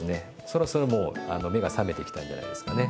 そろそろもう目が覚めてきたんじゃないですかね。